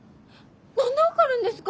何で分かるんですか？